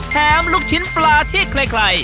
แถมลูกชิ้นปลาที่ใกล้